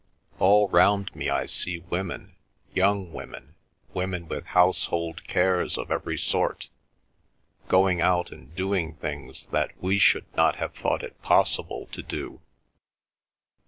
All round me I see women, young women, women with household cares of every sort, going out and doing things that we should not have thought it possible to do."